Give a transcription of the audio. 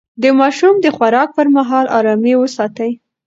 د ماشوم د خوراک پر مهال ارامي وساتئ.